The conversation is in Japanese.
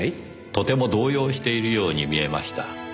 とても動揺しているように見えました。